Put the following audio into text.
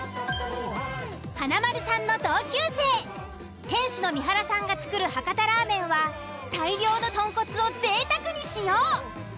華丸さんの同級生店主の三原さんが作る博多ラーメンは大量の豚骨を贅沢に使用。